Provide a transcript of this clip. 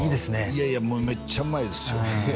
いやいやもうめっちゃうまいですよ